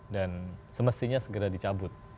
dan semestinya segera dicabut